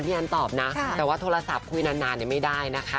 แอนตอบนะแต่ว่าโทรศัพท์คุยนานไม่ได้นะคะ